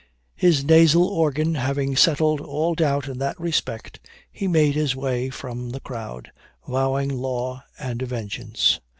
His nasal organ having settled all doubt in that respect, he made his way from the crowd, vowing law and vengeance.